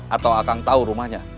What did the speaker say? atau akan tau rumahnya